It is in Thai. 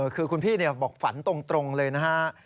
คือคุณพี่บอกฝันตรงเลยนะฮะ